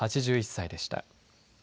８１歳でした。